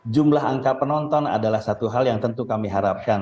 jumlah angka penonton adalah satu hal yang tentu kami harapkan